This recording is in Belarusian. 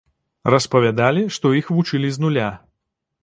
Распавядалі, што іх вучылі з нуля.